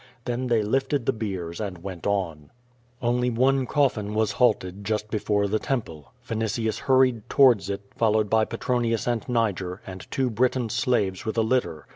Then they lifted the biers and went on. Only one coffm was halted just before the temple. Vinitius hurried towards it, followed by Petronius and Niger, and two Briton slaves with a litter.